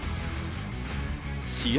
試合